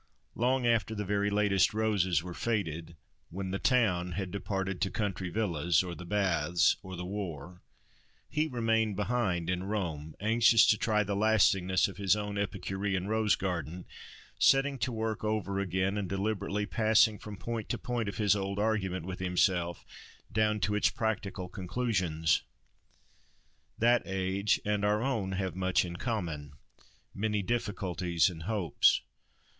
Long after the very latest roses were faded, when "the town" had departed to country villas, or the baths, or the war, he remained behind in Rome; anxious to try the lastingness of his own Epicurean rose garden; setting to work over again, and deliberately passing from point to point of his old argument with himself, down to its practical conclusions. That age and our own have much in common—many difficulties and hopes.